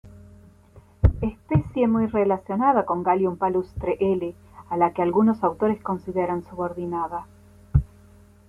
Especie muy relacionada con "Galium palustre" L., a la que algunos autores consideran subordinada.